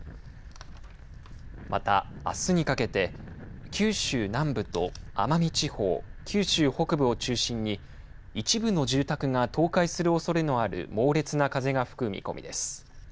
また、あすにかけて九州南部と奄美地方九州北部を中心に一部の住宅が倒壊するおそれのある猛烈な風が吹く見込みです。